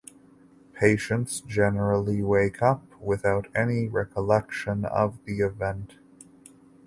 Patients generally wake up without any recollection of the event.